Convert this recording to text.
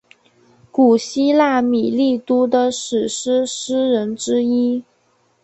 古希腊米利都的史诗诗人之一。